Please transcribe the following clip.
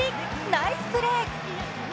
ナイスプレー。